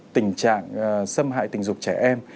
tình trạng xâm hại tình dục trẻ em